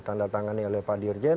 yang dituliskan ini oleh pak diorjen